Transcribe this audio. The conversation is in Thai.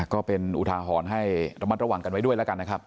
ก็เป็นอุทาหรณ์ให้ระมัดระวังกันไว้ด้วยแล้วกันนะครับ